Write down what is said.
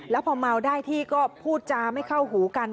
แล้วพอเมาได้ที่ก็พูดจาไม่เข้าหูกัน